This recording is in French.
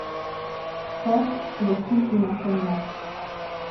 Falk est le fils d'une enseignante.